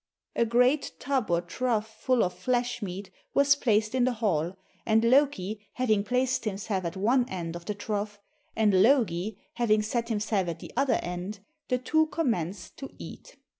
A great tub or trough full of flesh meat was placed in the hall, and Loki having placed himself at one end of the trough, and Logi having set himself at the other end, the two commenced to eat.